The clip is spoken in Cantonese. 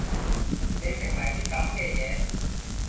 你食埋啲噉嘅嘢